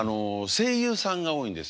声優さんが多いんですよ。